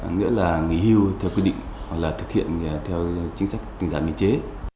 nghĩa là nghỉ hưu theo quy định hoặc là thực hiện theo chính sách tình dạng biên chế